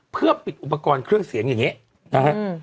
เพื่อปิดอุปกรณ์เครื่องเสียงอย่างนี้นะฮะ